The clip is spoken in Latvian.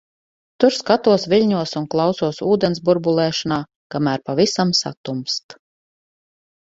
Tur skatos viļņos un klausos ūdens burbulēšanā, kamēr pavisam satumst.